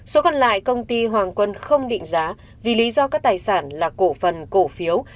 số còn lại công ty hoàng quân không định giá vì lý do các tài sản là cổ phần cổ phiếu